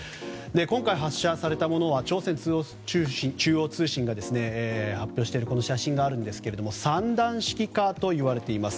今回発射されたものは朝鮮中央通信が発表している写真があるんですが３段式かといわれています。